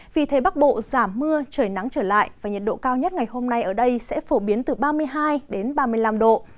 vì thế bắc bộ giảm mưa trời nắng trở lại và nhiệt độ cao nhất ngày hôm nay ở đây sẽ phổ biến từ ba mươi hai ba mươi năm độ